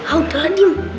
hauk telan diem